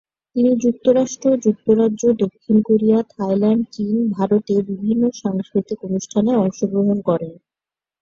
তিনি যুক্তরাষ্ট্র, যুক্তরাজ্য, দক্ষিণ কোরিয়া, থাইল্যান্ড, চীন, ভারতে বিভিন্ন সাংস্কৃতিক অনুষ্ঠানে অংশগ্রহণ করেন।